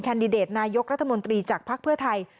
ดิเดตนายกรัฐมนตรีจากภักดิ์เพื่อไทย